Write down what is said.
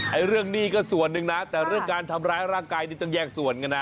เรื่องหนี้ก็ส่วนหนึ่งนะแต่เรื่องการทำร้ายร่างกายนี่ต้องแยกส่วนกันนะ